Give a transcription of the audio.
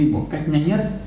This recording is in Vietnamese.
một cách nhanh nhất